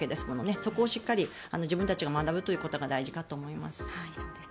そこをしっかり自分たちが学ぶということが大事かと思います。